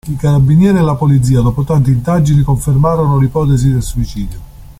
I carabinieri e la polizia, dopo tante indagini, confermarono l'ipotesi del suicidio.